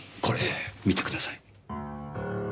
これ見てください。